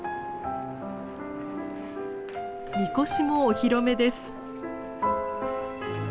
神輿もお披露目です。